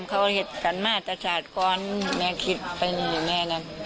เขาเห็นกันมาแต่ศาสตร์ก่อนแม่คิดเป็นแม่นะ